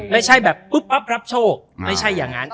ไม่ใช่แบบปุ๊บปั๊บรับโชคไม่ใช่อย่างนั้น